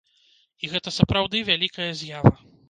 І гэта сапраўды вялікая з'ява.